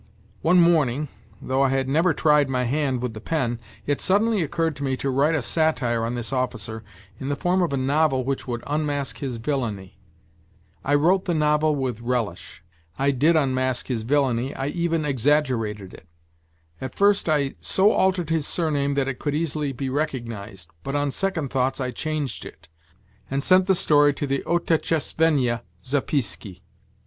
One morning, though I had never tried my hand with the pen, it suddenly occurred to me to write a satire on this officer in the form of a novel which would unmask his villainy. I wrote the novel with relish. I did unmask his villainy, I even exaggerated it; at first I so altered his surname that it could easily be recognized, but on second thoughts I changed it, and sent the story to the Otetchest venniya Zapiski.